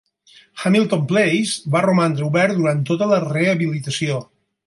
Hamilton Place va romandre obert durant tota la rehabilitació.